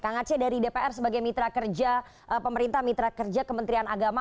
kang aceh dari dpr sebagai mitra kerja pemerintah mitra kerja kementerian agama